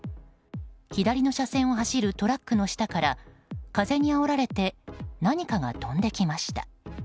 左の車線を走るトラックの下から風にあおられて何かが飛んできました。